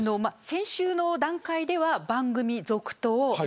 先週の段階では番組続投。